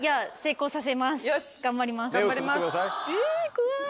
怖い。